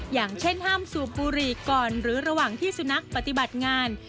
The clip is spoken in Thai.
อย่างเช่นห้ามสูบบุหรี่ก่อนหรือระหว่างที่สุนัขปฏิบัติงาน